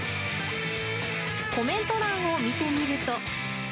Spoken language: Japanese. コメント欄を見てみると。